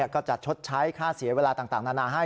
ก็จะชดใช้ค่าเสียเวลาต่างนานาให้